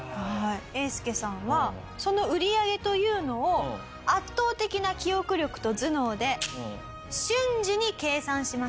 えーすけさんはその売り上げというのを圧倒的な記憶力と頭脳で瞬時に計算します。